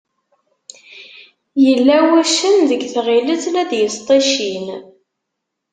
Yella wuccen deg tɣilet, la d-yesṭiccin.